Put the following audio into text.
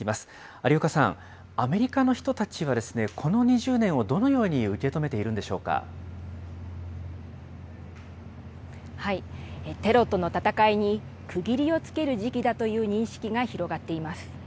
有岡さん、アメリカの人たちは、この２０年をどのように受け止めテロとの戦いに区切りをつける時期だという認識が広がっています。